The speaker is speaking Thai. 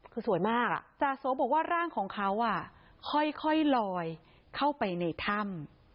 คือสวยมากจาโสบอกว่าร่างของเขาค่อยลอยเข้าไปในถ้ำ